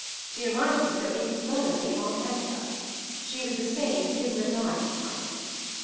She reminded me so infernally of Aunt Agatha. She was the same gimlet eyed type.